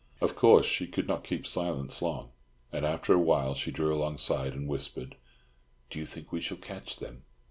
Of course she could not keep silence long, and after a while she drew alongside, and whispered, "Do you think we shall catch them?"